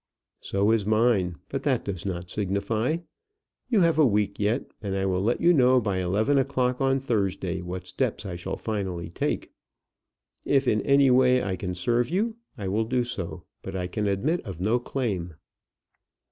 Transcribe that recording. "So is mine; but that does not signify. You have a week yet, and I will let you know by eleven o'clock on Thursday what steps I shall finally take. If in any way I can serve you, I will do so; but I can admit no claim."